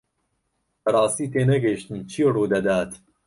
بەڕاستی تێنەگەیشتم چی ڕوودەدات.